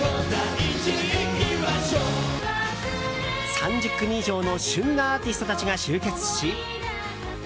３０組以上の旬なアーティストたちが集結し。